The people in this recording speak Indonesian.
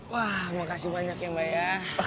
wah makasih banyak ya mbak ya